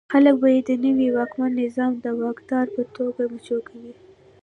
خلک به یې د نوي واکمن نظام د واکدار په توګه مچو کوي.